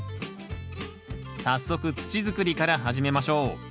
早速土づくりから始めましょう。